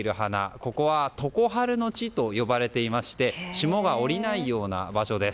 ここは常春の地と呼ばれていまして霜が降りないような場所です。